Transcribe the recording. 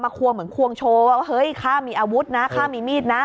ควงเหมือนควงโชว์ว่าเฮ้ยข้ามีอาวุธนะข้ามีมีดนะ